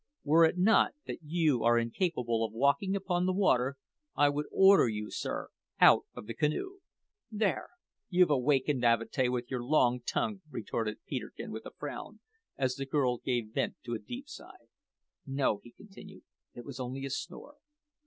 Were it not that you are incapable of walking upon the water, I would order you, sir, out of the canoe!" "There! you've awakened Avatea with your long tongue," retorted Peterkin, with a frown, as the girl gave vent to a deep sigh. "No," he continued, "it was only a snore.